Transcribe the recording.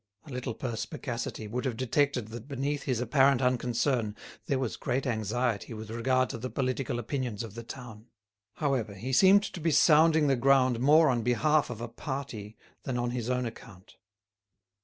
A little perspicacity would have detected that beneath his apparent unconcern there was great anxiety with regard to the political opinions of the town. However, he seemed to be sounding the ground more on behalf of a party than on his own account.